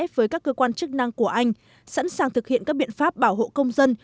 với các cơ quan chức năng của anh sẵn sàng thực hiện các biện pháp bảo hộ công dân